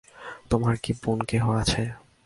তোমার কি বোন কেহ আছে?